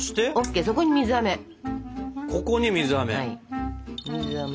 ここに水あめ。